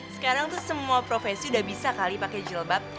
sekarang tuh semua profesi udah bisa kali pakai jilbab